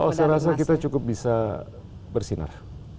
oh saya rasa kita cukup bisa bersinar